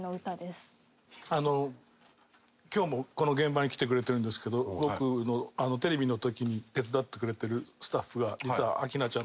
あの今日もこの現場に来てくれてるんですけど僕のテレビの時に手伝ってくれてるスタッフが。